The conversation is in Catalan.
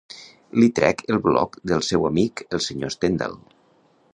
Li trec el bloc del seu amic, el senyor Stendhal.